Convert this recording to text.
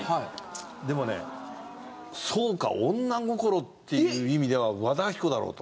でもねそうか女心っていう意味では和田アキ子だろう！と。